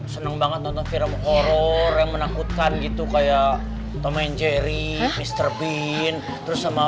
seneng banget nonton film horor yang menakutkan gitu kayak tom and jerry mr bean terus sama